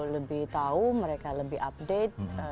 lebih tahu mereka lebih update